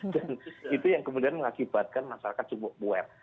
dan itu yang kemudian mengakibatkan masyarakat cukup aware